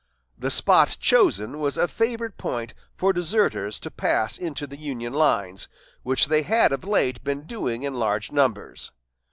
The spot chosen was a favorite point for deserters to pass into the Union lines, which they had of late been doing in large numbers.